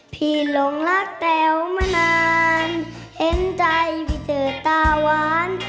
พี่หลงรักเต๋วมานานเอ็นใจพี่เจอตาวาน